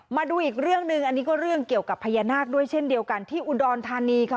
มาดูอีกเรื่องหนึ่งอันนี้ก็เรื่องเกี่ยวกับพญานาคด้วยเช่นเดียวกันที่อุดรธานีค่ะ